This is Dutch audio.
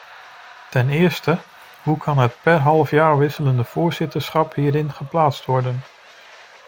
Ten eerste, hoe kan het per halfjaar wisselende voorzitterschap hierin geplaatst worden?